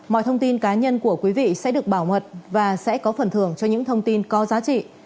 mọi thông tin cá nhân của quý vị sẽ được bảo mật và sẽ có phần thưởng cho những thông tin có giá trị